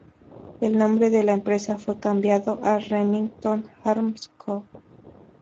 El nombre de la empresa fue cambiado a Remington Arms Co.